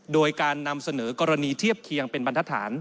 โดยการนำเสนอกรณีเทียบเคียงเป็นบรรทฐาน